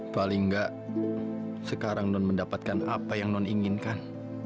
paling nggak sekarang non mendapatkan apa yang non inginkan